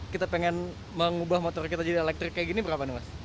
kita pengen mengubah motor kita jadi elektrik kayak gini berapa nih mas